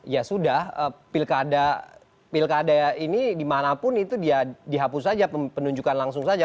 ya sudah pilkada ini dimanapun itu dihapus saja penunjukan langsung saja